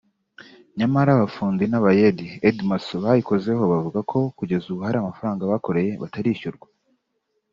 nyamara abafundi n’abayede (aide macon) bayikozeho bavuga ko kugeza ubu hari amafaranga bakoreye batarishyurwa